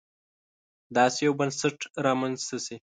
داسې یو بنسټ رامنځته شي.